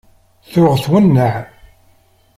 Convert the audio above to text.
Tuɣ twennaε.